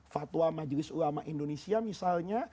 fatwa majelis ulama indonesia misalnya